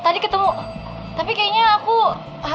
mungkin cuma perasaanku kak